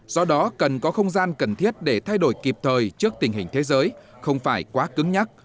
do đó cần có không gian cần thiết để thay đổi kịp thời trước tình hình thế giới không phải quá cứng nhắc